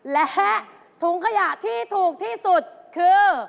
และถุงขยะที่ถูกที่สุดคือ